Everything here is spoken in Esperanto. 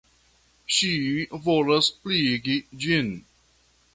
Ŝi volas pliigi ĝin.